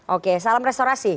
oke salam restorasi